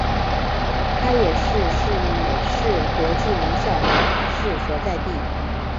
它也是是美式国际名校达卡市所在地。